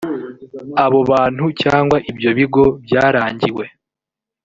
abo bantu cyangwa ibyo bigo byarangiwe